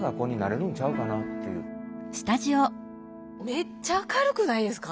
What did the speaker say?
めっちゃ明るくないですか。